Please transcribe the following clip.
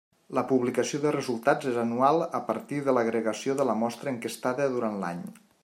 La publicació de resultats és anual a partir de l'agregació de la mostra enquestada durant l'any.